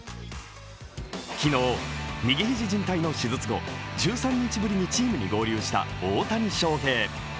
昨日、右肘じん帯の手術後、１３日ぶりにチームに合流した大谷翔平。